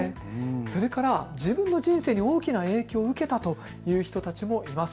それから自分の人生に大きな影響を受けたという人たちもいます。